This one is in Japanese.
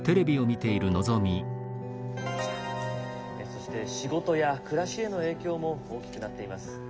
「そして仕事や暮らしへの影響も大きくなっています。